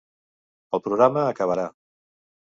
El programa acabarà.